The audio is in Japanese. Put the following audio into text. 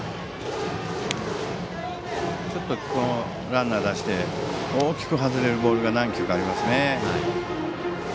ランナーを出して大きく外れるボールが何球かありますね。